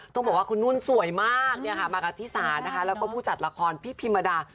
ต้องบอกว่าคุณนุ่นสวยมากมากับที่สานะคะแล้วก็ผู้จัดละครพี่พิมดา